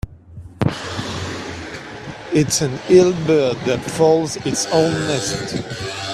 It's an ill bird that fouls its own nest.